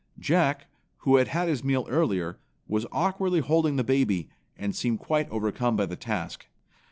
Jack, who had had his meal earlier, was awkwardly holding the baby, and seemed quite overcome by the task.